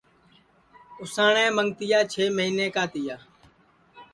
اُساٹؔیں منگتِیا چھ مہینے کا تِیا